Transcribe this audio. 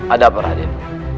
ada apa raden